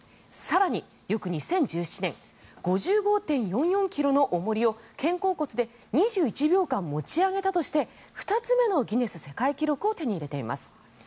更に、翌２０１７年５５．４４ｋｇの重りを肩甲骨で２１秒間持ち上げたとして２つ目のギネス世界記録を手に入れています。